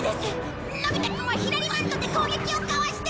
のび太くんはひらりマントで攻撃をかわして！